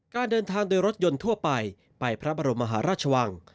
การเดินทางโดยรถยนต์ทั่วไปไปพระบรมมหาราชวัง